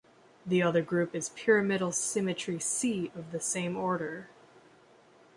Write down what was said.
The other group is pyramidal symmetry "C" of the same order.